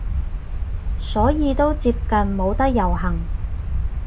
所以都接近冇得遊行